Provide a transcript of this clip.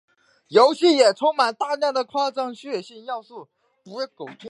游戏也充满大量的夸张血腥要素。